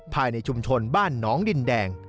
ภายในชุมชนบ้านน้องดินแดง